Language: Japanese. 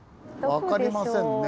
分かりませんね。